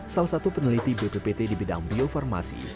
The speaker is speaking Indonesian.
salah satu peneliti bppt di bidang bio farmasi